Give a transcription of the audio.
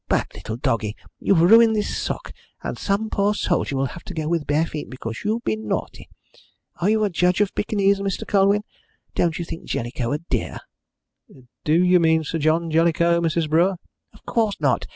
"Bad little doggie, you've ruined this sock, and some poor soldier will have to go with bare feet because you've been naughty! Are you a judge of Pekingese, Mr. Colwyn? Don't you think Jellicoe a dear?" "Do you mean Sir John Jellicoe, Mrs. Brewer?" "Of course not!